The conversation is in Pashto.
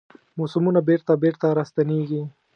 موسمونه بیرته، بیرته راستنیږي